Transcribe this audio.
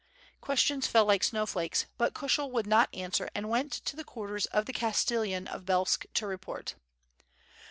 Questions fell like snowflakes, but Kushel would not answer and went to the quarters of the Castellan of Belsk to report.